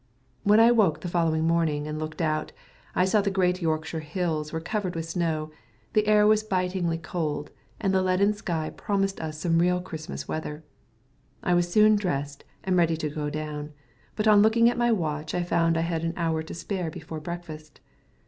When I awoke the following morning and looked out, I saw that the great Yorkshire hills were covered with snow, the air was bitingly cold, and the leaden sky promised us some real Christmas weather. I was soon dressed and ready to go down, but on looking at my watch I found I had an hour to spare before breakfast.